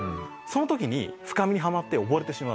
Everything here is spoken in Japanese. その時に深みにはまって溺れてしまう。